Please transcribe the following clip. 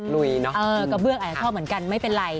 ลุยเนอะอือพี่โง๊มกระเปื้องข้อบเหมือนกันไม่เป็นไร